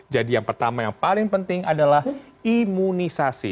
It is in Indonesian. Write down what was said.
jadi yang pertama yang paling penting adalah imunisasi